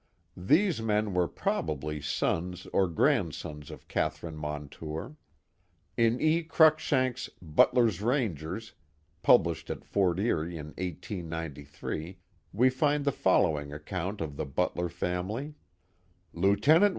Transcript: These men were probably sons or grandsons of Catherine Montour. In E. Cruikshank's Butltr's Rmigers, published at Fort Erie in 1893, we find the following account of the Butler family: Lieut.